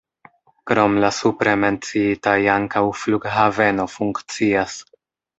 Krom la supre menciitaj ankaŭ flughaveno funkcias.